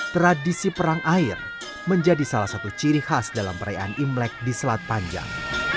tradisi perang air menjadi salah satu ciri khas dalam perayaan imlek di selat panjang